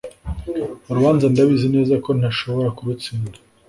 urubanza ndabizi neza ko ntashobora kurutsinda,